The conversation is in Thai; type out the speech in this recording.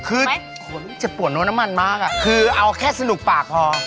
คือเจ็บปวดนวดน้ำมันคือแค่สนุกปากพอ